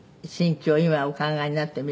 今お考えになってみると」